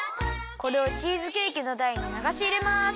これをチーズケーキのだいにながしいれます。